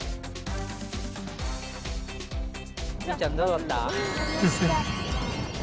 ゆいちゃんどうだった？